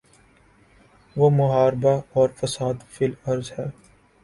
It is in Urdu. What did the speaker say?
وہ محاربہ اور فساد فی الارض ہے۔